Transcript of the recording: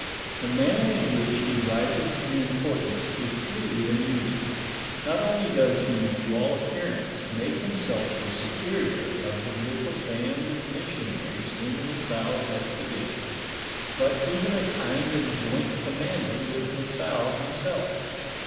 The manner in which he rises in importance, is truly amusing ; not only does he, to all appear ance, make himself the superior of the little band of missionaries in La Salle's expedition, bui even a kind of joint commander with La Salle himself.